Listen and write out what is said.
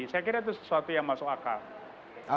saya kira itu sesuatu yang masuk akal